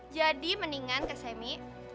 jadi mendingan kak semi